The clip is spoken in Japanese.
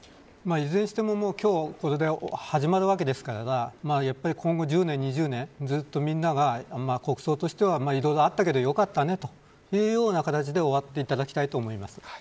いずれにしても今日これで始まるわけですから今後１０年、２０年ずっとみんなが国葬としてはいろいろあったけど良かったねという形で終わっていただきたいと思います。